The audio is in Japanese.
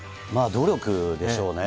努力でしょうね。